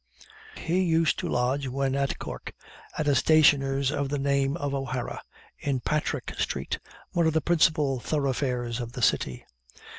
He used to lodge, when at Cork, at a stationer's of the name of O'Hara, in Patrick street, one of the principal thoroughfares of the city.